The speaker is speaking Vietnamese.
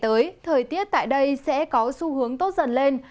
trong hai ngày tới thời tiết tại đây sẽ có xu hướng tốt dần lên